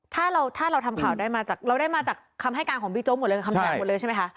ถ้าเราทำข่าวได้มาจากคำให้การของบิ๊กโจ๊กหมดเลยคำแหลกหมดเลยใช่ไหมคะ